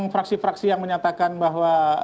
fraksi fraksi yang menyatakan bahwa